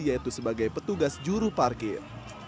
yaitu sebagai petugas juru parkir